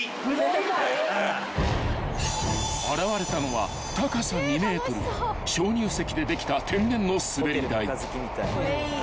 ［現れたのは高さ２ｍ鍾乳石でできた天然の滑り台］